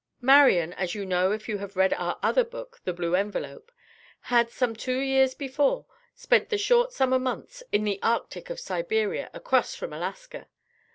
Marian, as you know if you have read our other book, "The Blue Envelope," had, some two years before, spent the short summer months of the Arctic in Siberia, across from Alaska.